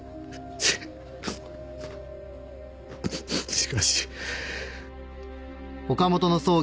しかし。